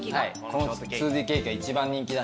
この２Ｄケーキが一番人気。